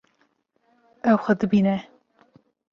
Ew xwe dibîne.